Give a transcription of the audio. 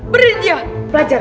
beri dia pelajaran